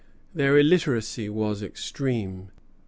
Their illiteracy was extreme.